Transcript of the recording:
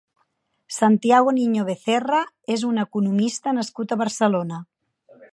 Santiago Niño Becerra és un economista nascut a Barcelona.